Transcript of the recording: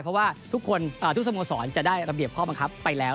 เพราะว่าทุกคนทุกสโมสรจะได้ระเบียบข้อบังคับไปแล้ว